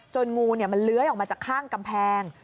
งูมันเลื้อยออกมาจากข้างกำแพง